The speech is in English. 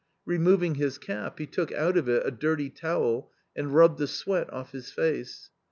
Removing his cap, he took out of it a dirty towel and rubbed the sweat off his face.